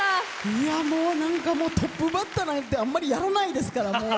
いやもう何かもうトップバッターなんてあんまりやらないですからもう。